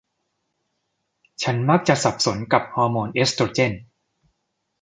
ฉันมักจะสับสนกับฮอร์โมนเอสโตรเจน